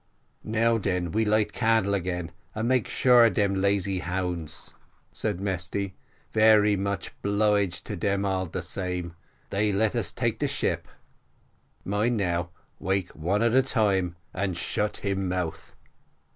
"Now den we light candle again, and make sure of them lazy hounds," said Mesty; "very much oblige to dem all de same; they let us take de ship mind now, wake one at a time, and shut him mouth."